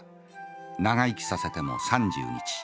長生きさせても３０日。